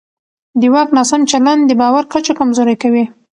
د واک ناسم چلند د باور کچه کمزوری کوي